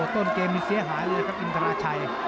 ต้นเกมนี้เสียหายเลยครับอินทราชัย